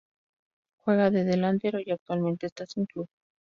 Juega de delantero y actualmente está sin club.